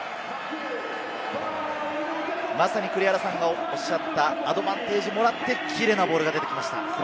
まさに栗原さんがおっしゃったアドバンテージをもらってキレイなボールが出てきました。